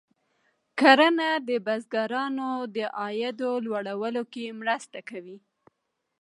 کرنه د بزګرانو د عاید لوړولو کې مرسته کوي.